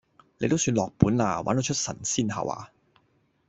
你都算落本喇，玩到出神仙吓話